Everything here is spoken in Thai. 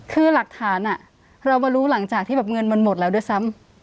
คือหลักฐานเรามารู้หลังจากที่แบบเงินมันหมดแล้วด้วยซ้ำ